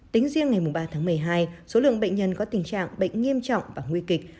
tính riêng ngày ba tháng một mươi hai số lượng bệnh nhân có tình trạng bệnh nghiêm trọng và nguy kịch